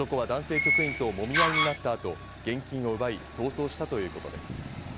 局員ともみ合いになった後、現金を奪い逃走したということです。